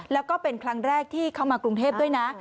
แล้วก็เป็นครั้งแรกที่เขามากรุงเทพด้วยนะ